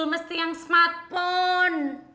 mesti yang smartphone